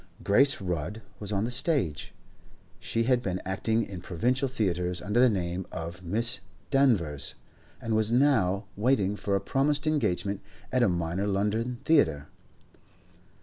Grace Rudd was on the stage; she had been acting in provincial theatres under the name of Miss Danvers, and was now waiting for a promised engagement at a minor London theatre.